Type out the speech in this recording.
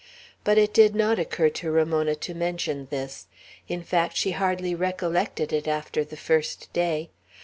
But it did not occur to Ramona to mention this; in fact, she hardly recollected it after the first day.